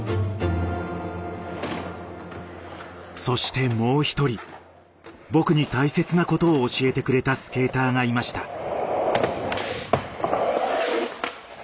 そしてもう一人僕に大切なことを教えてくれたスケーターがいました。